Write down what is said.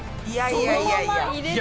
いやいやいやいや。